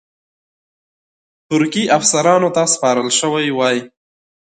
ترکي افسرانو ته سپارل شوی وای.